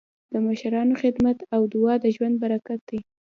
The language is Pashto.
د مشرانو خدمت او دعا د ژوند برکت دی.